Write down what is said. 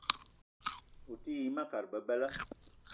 O te yi ma kat bebela.